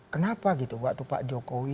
kenapa gitu waktu pak jokowi